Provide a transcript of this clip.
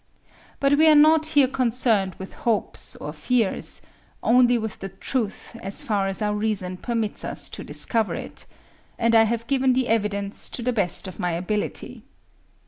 But we are not here concerned with hopes or fears, only with the truth as far as our reason permits us to discover it; and I have given the evidence to the best of my ability.